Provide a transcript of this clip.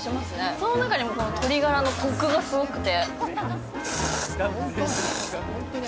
その中でも鶏ガラのこくがすごくて。